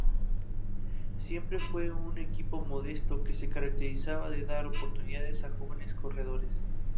Siempre fue un equipo modesto, que se caracterizaba por dar oportunidades a jóvenes corredores.